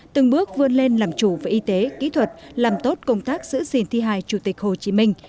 từng bước vươn lên làm chủ về y tế kỹ thuật làm tốt công tác giữ gìn thi hài chủ tịch hồ chí minh